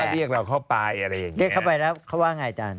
เรียกเราเข้าไปอะไรอย่างเงี้เรียกเข้าไปแล้วเขาว่าไงอาจารย์